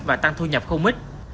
và tăng thu nhập không ít